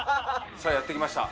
さあやって来ました